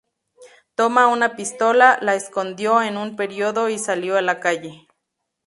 Toma una pistola, la escondió en un periodo y salió a la calle.